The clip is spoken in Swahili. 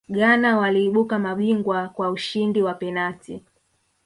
ghana waliibuka mabingwa kwa ushindi kwa penati